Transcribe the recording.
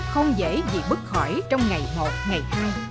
không dễ gì bước khỏi trong ngày một ngày hai